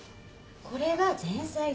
これが前菜で。